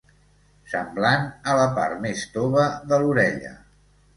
Semblant a la part més tova de l'orella.